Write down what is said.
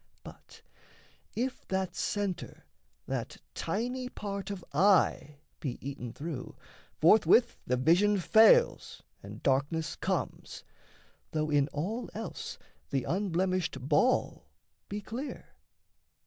But if that centre, That tiny part of eye, be eaten through, Forthwith the vision fails and darkness comes, Though in all else the unblemished ball be clear.